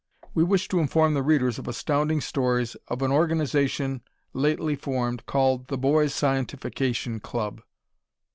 We wish to inform the readers of Astounding Stories of an organization lately formed, called The Boys' Scientifiction Club.